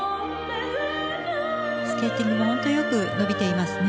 スケーティングが本当によく伸びていますね。